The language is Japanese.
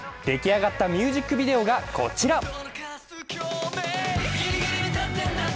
出来上がったミュージックビデオがこちら。